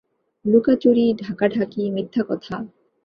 লুকাচুরি, ঢাকাঢাকি, মিথ্যাকথা!